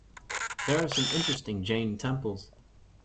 There are also some interesting Jain temples.